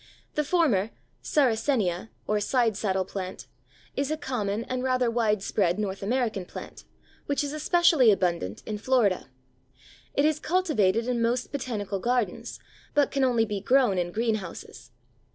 The former, Sarracenia (or Side saddle plant), is a common and rather widespread North American plant, which is especially abundant in Florida. It is cultivated in most botanical gardens, but can only be grown in greenhouses.